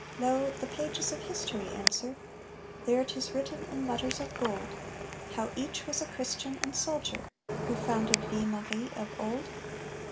Lo! the pages of history answer. There 'tis written in letters of gold How each was a Christian and soldier, who founded Ville Marie of old.